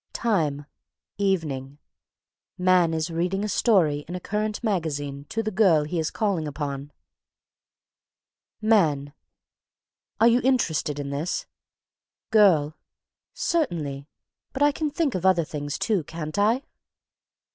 Time, evening. MAN is reading a story in a current magazine to the GIRL he is calling upon. MAN. "Are you interested in this?" GIRL. "Certainly, but I can think of other things too, can't I?"